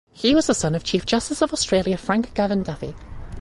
He was the son of Chief Justice of Australia Frank Gavan Duffy.